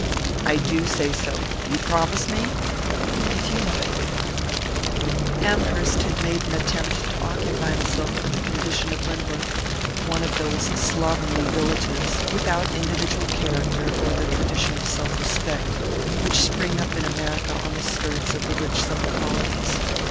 "I do say so. You promise me?" "If you like "Amherst had made an attempt to occupy himself with the condition of Lynbrook, one of those slovenly villages, without individual character or the tradition of self respect, which spring up in America on the skirts of the rich summer colonies.